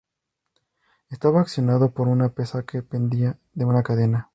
Estaba accionado por una pesa que pendía de una cadena.